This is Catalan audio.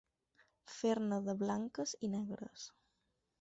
Fer-ne de blanques i negres.